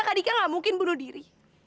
kadika nggak mungkin bunuh diri